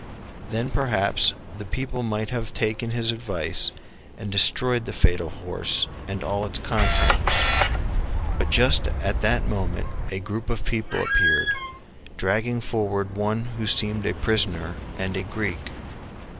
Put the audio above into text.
Then perhaps the people might have taken his advice and destroyed the fatal horse and all its contents; but just at that moment a group of people appeared, dragging forward one who seemed a prisoner and a Greek.